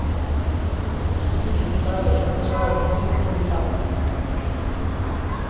گوتم تا لەبەر چاوم نەیخۆن ناخۆم!